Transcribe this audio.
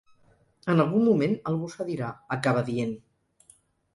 En algun moment algú cedirà, acaba dient.